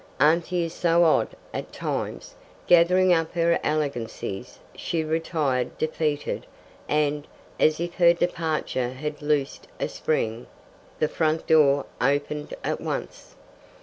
Auntie is so odd at times." Gathering up her elegancies, she retired defeated, and, as if her departure had loosed a spring, the front door opened at once.